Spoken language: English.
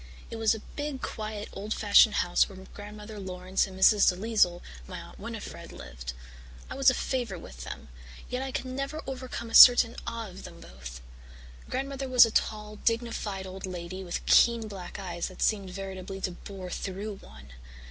It was a big, quiet, old fashioned house where Grandmother Laurance and Mrs. DeLisle, my Aunt Winnifred, lived. I was a favourite with them, yet I could never overcome a certain awe of them both. Grandmother was a tall, dignified old lady with keen black eyes that seemed veritably to bore through one.